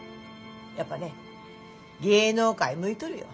やっぱね芸能界向いとるよ。